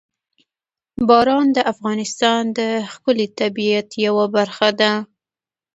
باران د افغانستان د ښکلي طبیعت یوه برخه ده.